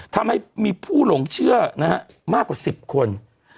ทำให้มีผู้หลงเชื่อนะฮะมากกว่า๑๐คน